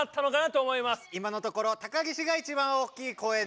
今のところ高岸が一番大きい声です。